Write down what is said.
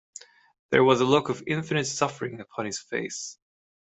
There was a look of infinite suffering upon his face.